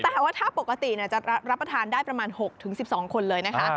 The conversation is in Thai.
แต่ว่าถ้าปกติจะรับประทานได้ประมาณ๖๑๒คนเลยนะคะ